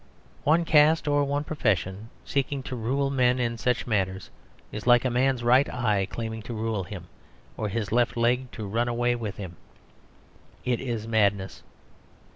One caste or one profession seeking to rule men in such matters is like a man's right eye claiming to rule him, or his left leg to run away with him. It is madness.